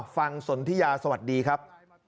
สนทิยาสวัสดีครับ